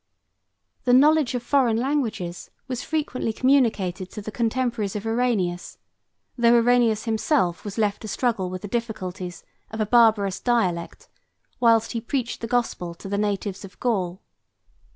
The knowledge of foreign languages was frequently communicated to the contemporaries of Irenæus, though Irenæus himself was left to struggle with the difficulties of a barbarous dialect, whilst he preached the gospel to the natives of Gaul.